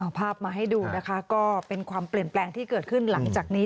เอาภาพมาให้ดูนะคะก็เป็นความเปลี่ยนแปลงที่เกิดขึ้นหลังจากนี้